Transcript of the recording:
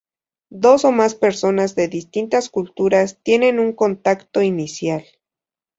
Dos o más personas de distintas culturas tienen un contacto inicial.